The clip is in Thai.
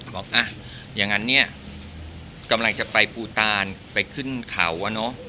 บอกอ่ะอย่างนั้นเนี่ยกำลังจะไปภูตานไปขึ้นเขาอะเนอะ